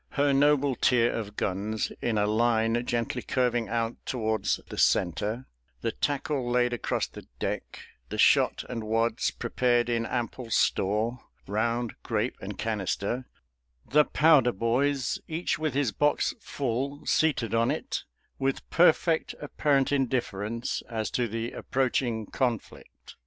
Her noble tier of guns, in a line gently curving out towards the centre; the tackle laid across the deck; the shot and wads prepared in ample store (round, grape, and canister); the powder boys, each with his box full, seated on it, with perfect apparent indifference as to the approaching conflict.